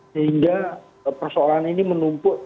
sehingga persoalan ini menumpuk